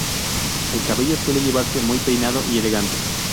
El cabello suele llevarse muy peinado y elegante.